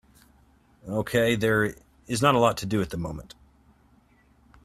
Okay, there is not a lot to do at the moment.